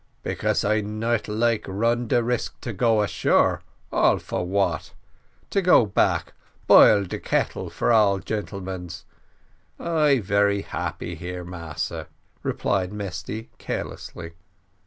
"Because I not like run de risk to go ashore all for what? to go back, boil de kettle for all gentlemans I very happy here, Massa," replied Mesty carelessly.